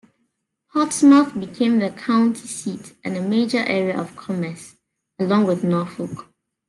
Portsmouth became the county seat and a major area of commerce, along with Norfolk.